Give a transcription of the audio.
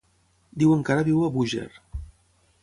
Diuen que ara viu a Búger.